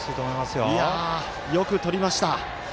よくとりました。